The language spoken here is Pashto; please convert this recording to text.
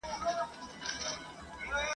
زما زلمي کلونه انتظار انتظار وخوړل !.